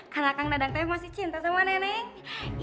karena kang dadang teng masih cinta sama nenek